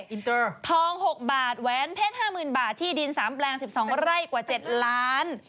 อินเตอร์ทอง๖บาทแหวนเพชร๕๐๐๐บาทที่ดิน๓แปลง๑๒ไร่กว่า๗ล้าน